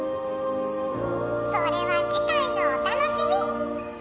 「それは次回のお楽しみ！」